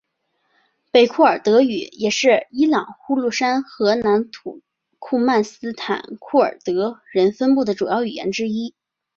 北库尔德语也是伊朗呼罗珊和南土库曼斯坦库尔德人分布区的主要语言之一。